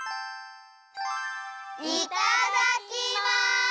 いただきます！